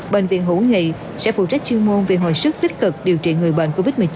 bệnh viện hữu nghị sẽ phụ trách chuyên môn về hồi sức tích cực điều trị người bệnh covid một mươi chín